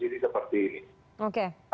jadi ini adalah satu